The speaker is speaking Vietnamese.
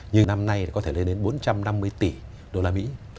như năm nay có thể lên đến bốn trăm năm mươi tỷ đô la mỹ